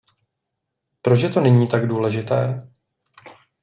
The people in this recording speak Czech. Proč je to nyní tak důležité?